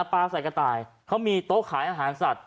ปลาใส่กระต่ายเขามีโต๊ะขายอาหารสัตว